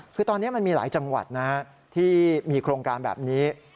คือตอนนี้มันมีหลายจังหวัดนะที่มีโครงการแบบนี้